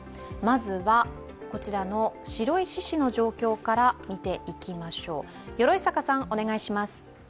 まずは、こちらの白石市の状況から見ていきましょう。